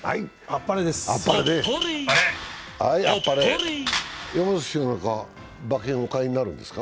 あっぱれです。